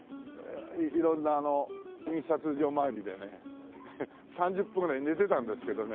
色んな印刷所回りでね３０分ぐらい寝てたんですけどね。